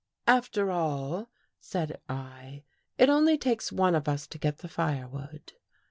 " After all," said I, " it only takes one of us to get the firewood."